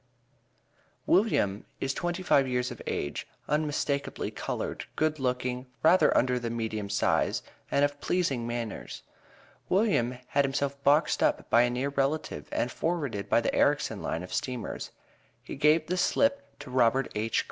William is twenty five years of age, unmistakably colored, good looking, rather under the medium size, and of pleasing manners. William had himself boxed up by a near relative and forwarded by the Erricson line of steamers. He gave the slip to Robert H.